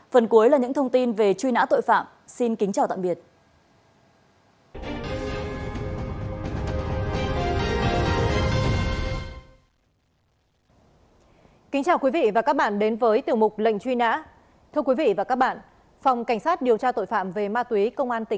phần cuối là những thông tin về truy nã tội phạm xin kính chào tạm biệt